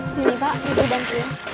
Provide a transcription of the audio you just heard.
sini pak aku bantu